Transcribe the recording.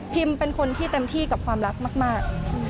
เป็นคนที่เต็มที่กับความรักมาก